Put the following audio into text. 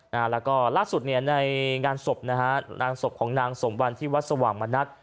แล้วก็ล่าสุดในงานศพของนางสมวัลที่วัดสว่างมานัด